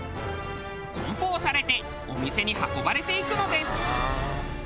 梱包されてお店に運ばれていくのです。